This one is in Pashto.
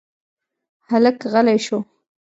هلک غلی شو.